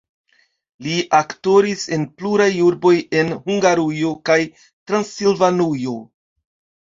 Li aktoris en pluraj urboj en Hungarujo kaj Transilvanujo.